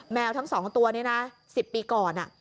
แมวทั้ง๒ตัวนี้นะ๑๐ปีก่อน